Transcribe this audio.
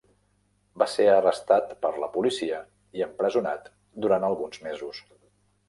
Va ser arrestat per la policia i empresonat durant alguns mesos.